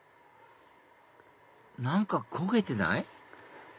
何か焦げてない？